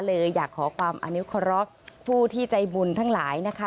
เลยอยากขอความอนุเคราะห์ผู้ที่ใจบุญทั้งหลายนะคะ